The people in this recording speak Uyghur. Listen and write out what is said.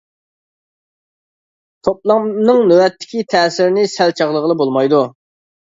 توپلامنىڭ نۆۋەتتىكى تەسىرىنى سەل چاغلىغىلى بولمايدۇ.